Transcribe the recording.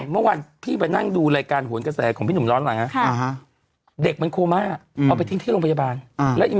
พ่อปีนะภอเป็นคนทำเขานี้จับพ่อมาพ่อบอกว่าอะไรพี่